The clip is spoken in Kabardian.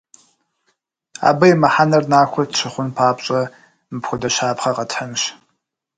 Абы и мыхьэнэр нахуэ тщыхъун папщӏэ, мыпхуэдэ щапхъэ къэтхьынщ.